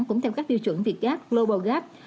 cũng theo các tiêu chuẩn việt gap global gap